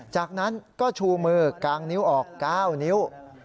จากนั้นก็ชูมือกางนิ้วออก๙นิ้ว